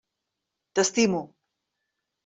T'estimo!